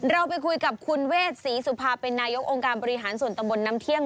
เราไปคุยกับคุณเวทศรีสุภาเป็นนายกองค์การบริหารส่วนตำบลน้ำเที่ยง